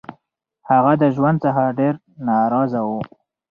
هغه د ژوند څخه ډير نا رضا وو